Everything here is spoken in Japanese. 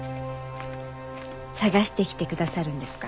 探してきてくださるんですか？